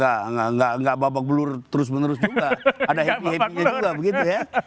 nggak babak belur terus menerus juga ada happy happy nya juga begitu ya